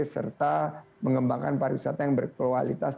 serta mengembangkan pariwisata yang berkualitas